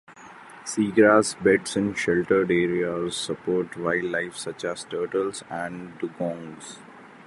Seagrass beds in sheltered areas support wildlife such as turtles and dugongs.